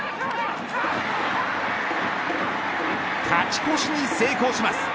勝ち越しに成功します。